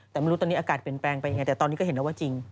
แต่ไม่รู้ตอนนี้อากาศเปลี่ยนแปลงไปยังไงแต่ตอนนี้ก็เห็นแล้วว่าจริง